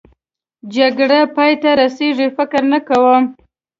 جګړه پای ته رسېږي؟ فکر نه کوم.